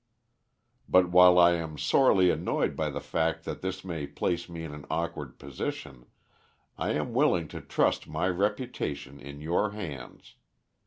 "'But while I am sorely annoyed by the fact that this may place me in an awkward position, I am willing to trust my reputation in your hands.